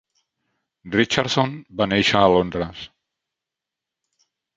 Richardson va néixer a Londres.